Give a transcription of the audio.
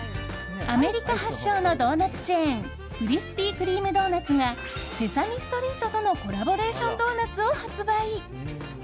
アメリカ発祥のドーナツチェーンクリスピー・クリーム・ドーナツが「セサミストリート」とのコラボレーションドーナツを発売。